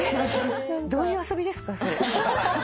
どういう遊びですかそれ？